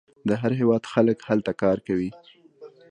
د هر هیواد خلک هلته کار کوي.